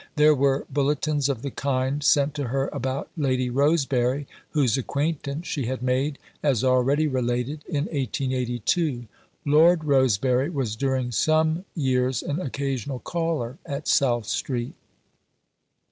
There were bulletins of the kind sent to her about Lady Rosebery, whose acquaintance she had made, as already related, in 1882. Lord Rosebery was during some years an occasional caller at South Street.